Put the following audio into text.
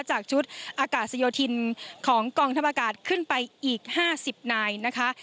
จากชุดอากาศโยธินของกองทัพอากาศขึ้นไปอีก๕๐นายนะคะ